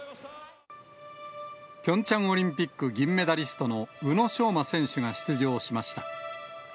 ピョンチャンオリンピック銀メダリストの宇野昌磨選手が出場しました。